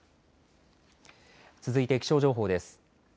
続いて気象情報です。